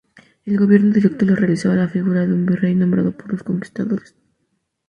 El gobierno directo lo realizaba la figura de un "virrey" nombrado por los conquistadores.